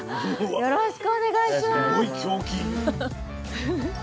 よろしくお願いします。